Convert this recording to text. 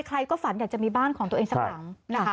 ใครก็ฝันอยากจะมีบ้านของตัวเองสักหลังนะคะ